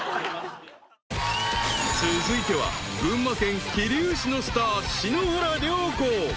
［続いては群馬県桐生市のスター篠原涼子］